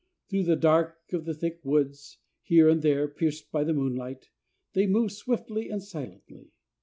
Through the dark of the thick woods, here and there pierced by the moonlight, they moved swiftly and silently.